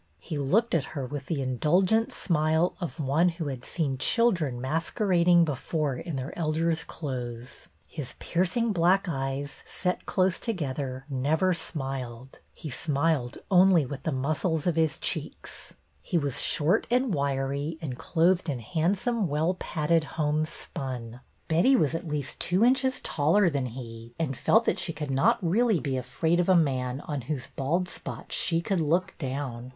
He looked at her with the indulgent smile of one who had seen children masquerading before in their elders' clothes. His piercing black eyes, set close to gether, never smiled; he smiled only with the muscles of his cheeks. He was short and wiry THE NEW LIBRARIAN 205 and clothed in handsome, well padded homespun. Betty was at least two inches taller than he, and felt that she could not really be afraid of a man on whose bald spot she could look down.